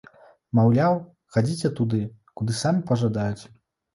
Маўляў, хадзіце туды, куды самі пажадаеце!